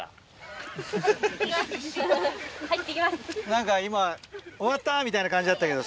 何か今「終わった」みたいな感じだったけどさ。